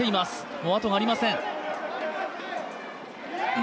もうあとがありません。